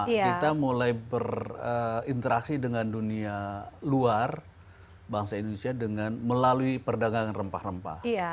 nah kita mulai berinteraksi dengan dunia luar bangsa indonesia dengan melalui perdagangan rempah rempah